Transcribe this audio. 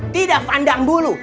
tidak pandang bulu